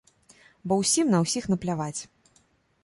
Бо усім на ўсіх напляваць.